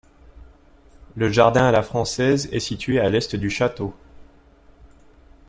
Le jardin à la française est situé à l'est du château.